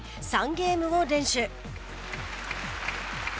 ゲームを連取。